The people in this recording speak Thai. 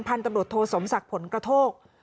พันธุ์ตำรวจโทสมศักดิ์ผลกระโทก